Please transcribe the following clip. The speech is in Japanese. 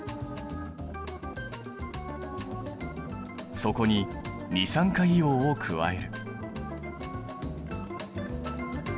そこに二酸化硫黄を加える。